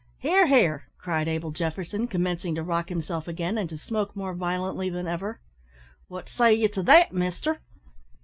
"Hear, hear!" cried Abel Jefferson, commencing to rock himself again, and to smoke more violently than ever. "What say ye to that, mister?"